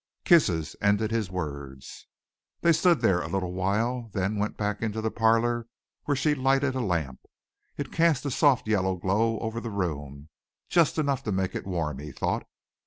kisses ended his words. They stood there a little while, then went back into the parlor where she lighted a lamp. It cast a soft yellow glow over the room, just enough to make it warm, he thought.